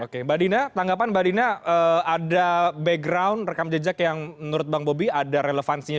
oke mbak dina tanggapan mbak dina ada background rekam jejak yang menurut bang bobi ada relevansinya